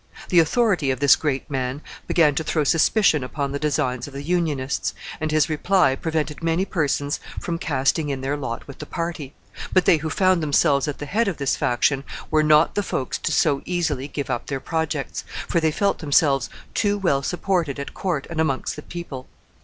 The authority of this great man began to throw suspicion upon the designs of the Unionists, and his reply prevented many persons from casting in their lot with the party; but they who found themselves at the head of this faction were not the folks to so easily give up their projects, for they felt themselves too well supported at court and amongst the people.